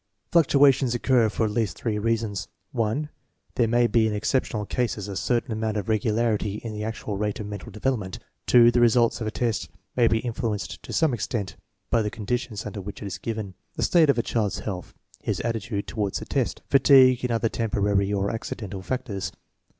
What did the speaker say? Fluctuations occur for at least three reasons: (1) There may be in exceptional cases a certain amount of irregu larity in the actual rate of mental development. (8) The results of a test may be influenced to some extent by the conditions under which it is given, the state of the child's health, his attitude toward the test, fatigue, and other temporary or accidental fac tors.